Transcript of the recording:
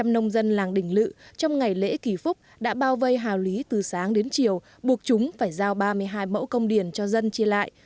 một trăm linh nông dân làng đỉnh lự trong ngày lễ kỳ phúc đã bao vây hào lý từ sáng đến chiều buộc chúng phải giao ba mươi hai mẫu công điền cho dân chia lại